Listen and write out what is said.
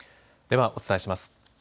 ではお伝えします。